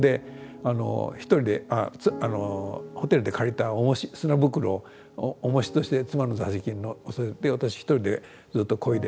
１人でホテルで借りたおもし砂袋をおもしとして妻の座席にのせて私１人でずっとこいで。